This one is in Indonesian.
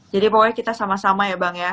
jadi pokoknya kita sama sama ya bang ya